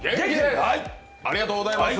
ありがとうございます！